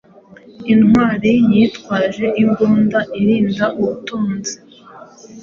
Intwali yitwaje imbundairinda ubutunzi